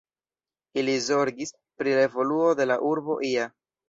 Ili zorgis pri la evoluo de la urbo ia.